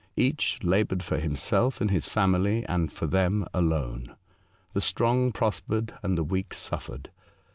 Each laboured for him self and his family, and for them alone. The strong prospered, and the weak suffered.